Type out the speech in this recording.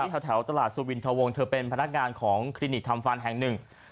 แถวตลาดสุวินทวงเธอเป็นพนักงานของคลินิกทำฟันแห่งหนึ่ง